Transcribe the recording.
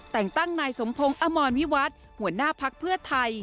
แต่งตั้งนายสมพงศ์อมรวิวัฒน์หัวหน้าภักดิ์เพื่อไทย